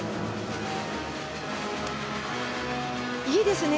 いいですね。